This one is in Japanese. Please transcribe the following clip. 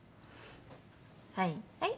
はいはい。